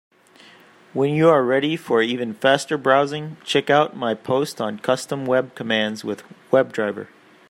When you are ready for even faster browsing, check out my post on Custom web commands with WebDriver.